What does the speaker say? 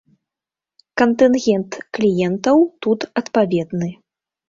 Кантынгент кліентаў тут адпаведны.